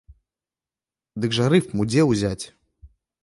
Дык жа рыфму дзе ўзяць?